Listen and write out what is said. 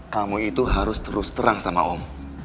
kamu itu harus terus terang sama om